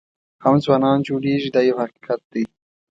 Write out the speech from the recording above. هم ځوانان جوړېږي دا یو حقیقت دی.